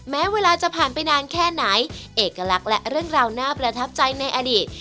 แม้เวลาจะผ่านไปนานแค่ไหนเอกลักษณ์และเรื่องราวน่าประทับใจในอดีต